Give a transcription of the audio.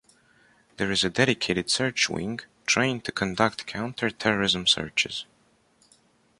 There is a dedicated search wing, trained to conduct counter-terrorism searches.